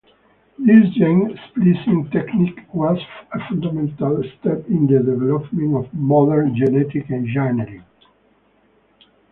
This gene-splicing technique was a fundamental step in the development of modern genetic engineering.